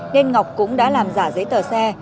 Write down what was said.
nên ngọc cũng đã làm giả giấy tờ xe